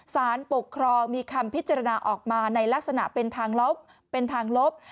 สารปกครองมีคำพิจารณาออกมาในลักษณะเป็นทางลบ